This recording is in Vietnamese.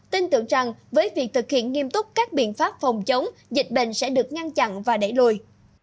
tin tưởng rằng với việc thực hiện nghiêm túc các biện pháp phòng chống dịch bệnh sẽ được ngăn chặn và đẩy lùi